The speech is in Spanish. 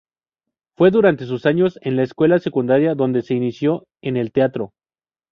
Fue durante sus años en la escuela secundaria donde se inició en el teatro.